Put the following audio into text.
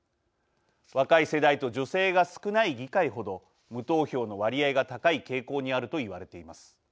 若い世代と女性が少ない議会程無投票の割合が高い傾向にあると言われています。